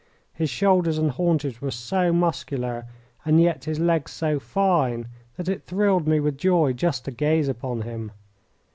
His shoulders and haunches were so muscular, and yet his legs so fine, that it thrilled me with joy just to gaze upon him.